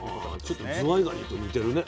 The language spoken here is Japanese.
ちょっとズワイガニと似てるね。